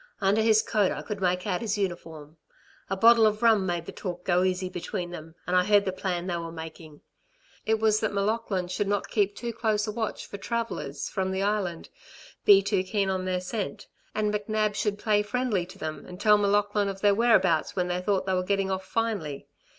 Under his coat, I could make out his uniform. A bottle of rum made the talk go easy between them, and I heard the plan they were making. It was that M'Laughlin should not keep too close a watch for 'travellers' from the Island be too keen on their scent and McNab should play friendly to them and tell M'Laughlin of their whereabouts when they thought they were getting off finely.